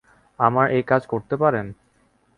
আমরা এই কাজ করতে পারেন!